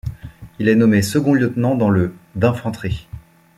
Il est nommé second lieutenant dans le d'infanterie.